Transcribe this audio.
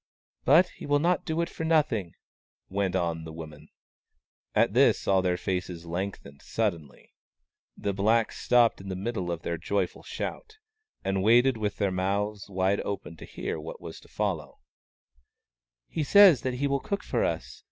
" But he will not do it for nothing," went on the woman. At this all their faces lengthened suddenly. The blacks stopped in the middle of their joyful shout, and waited with their mouths wide open to hear what was to follow, " He says he will cook for us.